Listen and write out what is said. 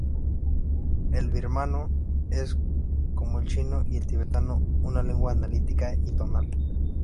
El birmano es, como el chino y el tibetano, una lengua analítica y tonal.